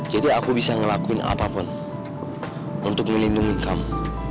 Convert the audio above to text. jadi aku bisa ngelakuin apapun untuk melindungi kamu